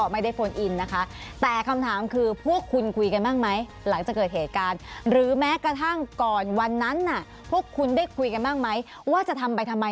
วันนั้นพวกคุณได้คุยกันบ้างไหมว่าจะทำไปทำไม